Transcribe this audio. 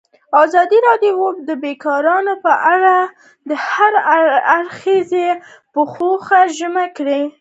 ازادي راډیو د بیکاري په اړه د هر اړخیز پوښښ ژمنه کړې.